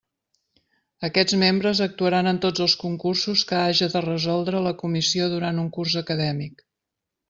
Aquests membres actuaran en tots els concursos que haja de resoldre la comissió durant un curs acadèmic.